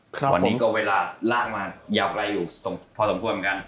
ครับผมกว่าโดยเวลาล่างมายาวไกลอยู่พอสมควรเหมือนกัน